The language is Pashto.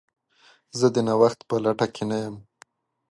زه د نوښت په لټه کې نه یم.